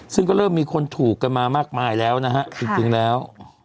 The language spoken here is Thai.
ซึ่งก็เริ่มมีคนถูกกันมามากมายแล้วนะฮะจริงแล้ว